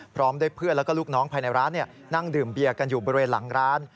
พร้อมด้วยเพื่อนแล้วก็ลูกน้องภายในร้านนั่งดื่มเบียร์กันอยู่บริเวณหลังร้าน